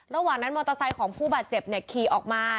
ระหว่างนั้นมอเตอร์ไซค์ของผู้บาดเจ็บขี่ออกมา